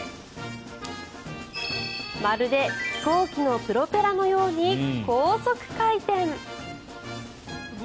まるで飛行機のプロペラのように高速回転。